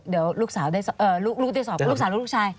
เดี๋ยวลูกสาวได้สอบลูกชาย